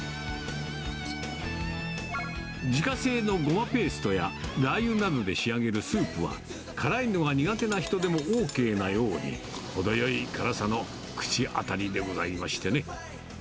自家製のゴマペーストやラー油などで仕上げるスープは、辛いのが苦手な人でもＯＫなように、程よい辛さの口当たりでございましてね。